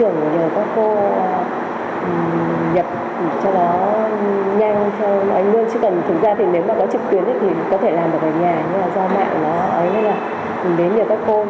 nếu mà có trực tuyến thì có thể làm ở nhà do mẹ nó đến nhiều các cô